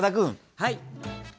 はい！